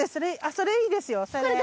それいいですよそれ。